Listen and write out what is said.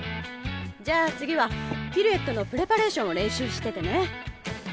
じゃあ次はピルエットのプレパレーションを練習しててね。